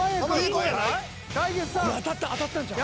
これ当たったんちゃう？